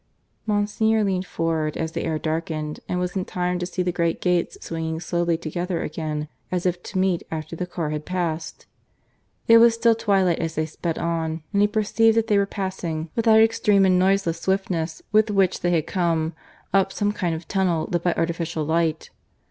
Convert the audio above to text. Monsignor leaned forward as the air darkened, and was in time to see the great gates swinging slowly together again as if to meet after the car had passed. It was still twilight as they sped on, and he perceived that they were passing, with that extreme and noiseless swiftness with which they had come, up some kind of tunnel lit by artificial light.